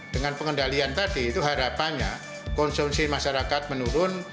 dengan pengendalian tadi itu harapannya konsumsi masyarakat menurun